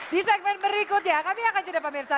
di segmen berikut ya kami akan jadi pamerca